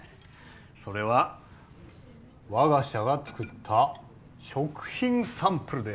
それは我が社が作った食品サンプルです。